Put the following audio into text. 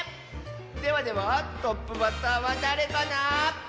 ではではトップバッターはだれかな？